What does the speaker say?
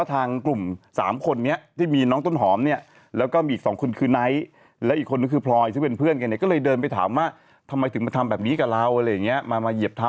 ทำไมเธอพูดดีกับเขาหรอ